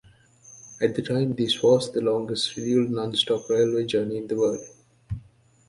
At the time this was the longest scheduled non-stop railway journey in the world.